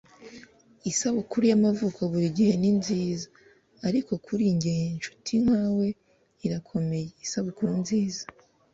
isabukuru y'amavuko buri gihe ni nziza, ariko kuri njye inshuti nkawe irakomeye. isabukuru nziza